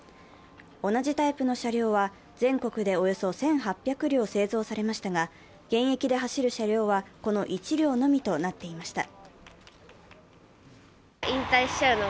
同じタイプの車両は全国でおよそ１８００両製造されましたが現役で走る車両はこの１両のみとなっていました。